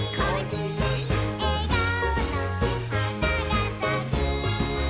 「えがおの花がさく」